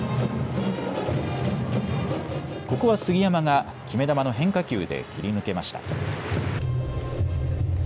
ここは杉山が決め球の変化球で切り抜けました。